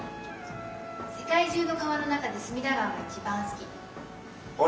世界中の川の中で隅田川が一番好き。